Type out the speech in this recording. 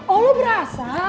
oh lu berasa